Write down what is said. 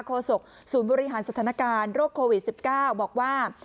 โศกศูนย์บริหารสถานการณ์โรคโควิด๑๙บอกว่า